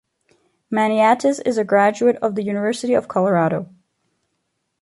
Maniatis is a graduate of the University of Colorado.